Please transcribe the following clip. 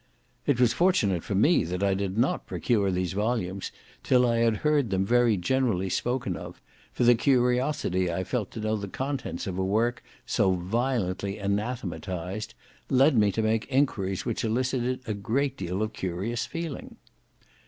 It was fortunate for me that I did not procure these volumes till I had heard them very generally spoken of, for the curiosity I felt to know the contents of a work so violently anathematised, led me to make enquiries which elicited a great deal of curious feeling.